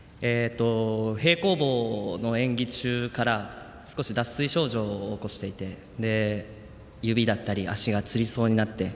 平行棒の演技中から少し、脱水症状を起こしていて指だったり足がつりそうになって。